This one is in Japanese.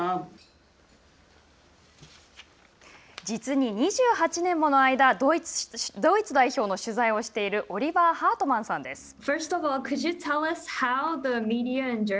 実に２８年もの間ドイツ代表の取材をしているオリバー・ハートマンさんです。